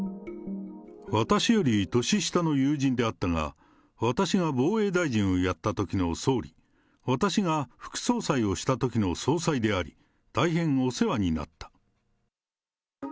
私より年下の友人であったが、私が防衛大臣をやったときの総理、私が副総裁をしたときの総裁であり、大変お世話になった。